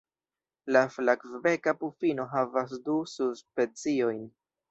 La Flavbeka pufino havas du subspeciojn.